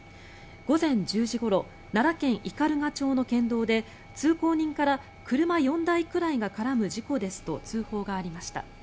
午前１０時ごろ奈良県斑鳩町の県道で通行人から車４台くらいが絡む事故ですと通報がありました。